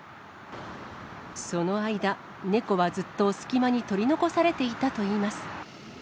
その間、猫はずっと隙間に取り残されていたといいます。